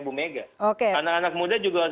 ibu megawati oke anak anak muda juga harus